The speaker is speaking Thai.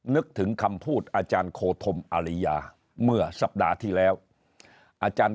นึกถึงคำพูดอาจารย์โคธมอาริยาเมื่อสัปดาห์ที่แล้วอาจารย์